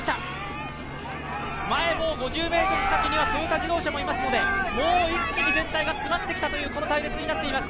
前は５０ｍ先にはトヨタ自動車もいますので、もう一気に全体が詰まってきた隊列になっています。